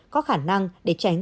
có khả năng để tránh